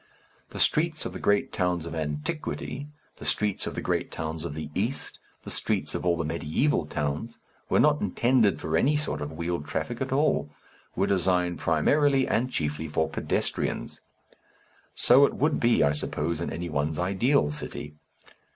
The streets of the great towns of antiquity, the streets of the great towns of the East, the streets of all the mediæval towns, were not intended for any sort of wheeled traffic at all were designed primarily and chiefly for pedestrians. So it would be, I suppose, in any one's ideal city.